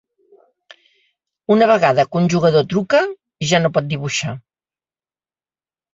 Una vegada que un jugador truca, ja no pot dibuixar.